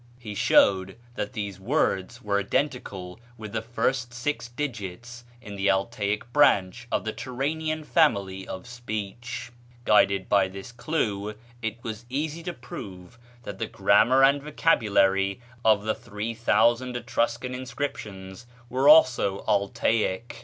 He showed that these words were identical with the first six digits in the Altaic branch of the Turanian family of speech. Guided by this clew, it was easy to prove that the grammar and vocabulary of the 3000 Etruscan inscriptions were also Altaic.